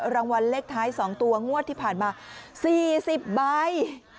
รางวัลเลขท้าย๒ตัวงวดที่ผ่านมา๔๐ใบ